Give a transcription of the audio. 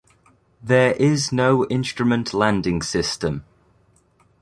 There is no Instrument Landing System.